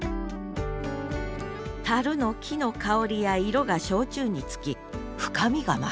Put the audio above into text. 樽の木の香りや色が焼酎につき深みが増すそうです。